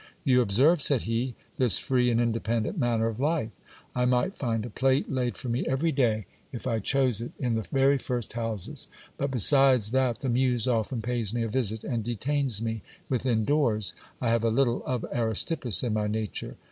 You observe, said he, this free and independent manner of life. I might find a plate laid for me every day, if I chose it, in the very first houses ; but, besides that the muse often pays me a visit and detains me within doors, I have a little of Aristippus in my nature.